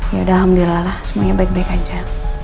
ya udah alhamdulillah lah semuanya baik baik aja